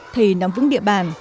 thầy nằm vững địa bàn